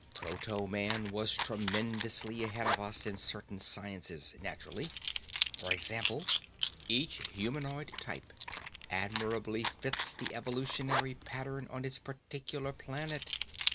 _ _Proto man was tremendously ahead of us in certain sciences, naturally. For example, each humanoid type admirably fits the evolutionary pattern on its particular planet.